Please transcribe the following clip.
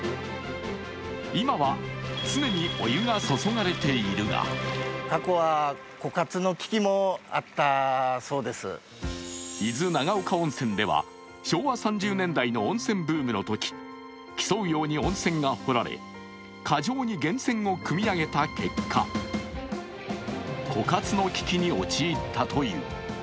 今は常にお湯が注がれているが伊豆長岡温泉では昭和３０年代の温泉ブームのとき競うように温泉が掘られ、過剰に源泉をくみ上げた結果、枯渇の危機に陥ったという。